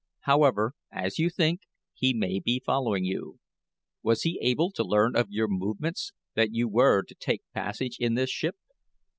However as you think he may be following you. Was he able to learn of your movements that you were to take passage in this ship?"